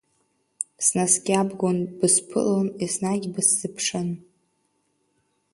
Снаскьабгон, бысԥылон, еснагь бысзыԥшын.